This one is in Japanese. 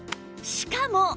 しかも